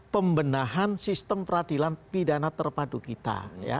pembenahan sistem peradilan pidana terpadu kita